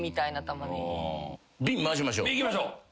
いきましょう。